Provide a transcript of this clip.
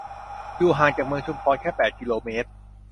อยู่ห่างจากเมืองชุมพรแค่ แปด กิโลเมตร